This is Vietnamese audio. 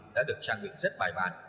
đã được trang bị rất bài bán